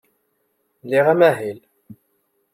Liɣ amahil.